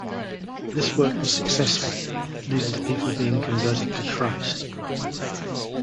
This work was successful, leading to people being converted to Christ.